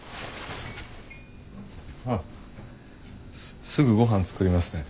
あっすすぐごはん作りますね。